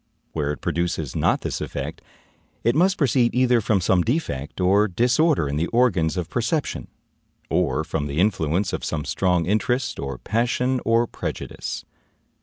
Where it produces not this effect, it must proceed either from some defect or disorder in the organs of perception, or from the influence of some strong interest, or passion, or prejudice.